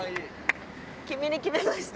君に決めました！